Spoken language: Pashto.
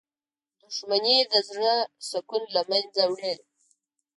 • دښمني د زړه سکون له منځه وړي.